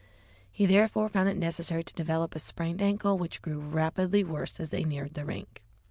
He therefore found it necessary to develop a sprained ankle, which grew rapidly worse as they neared the rink.